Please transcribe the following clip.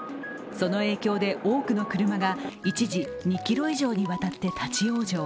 その影響で多くの車が一時、２ｋｍ以上にわたって立往生。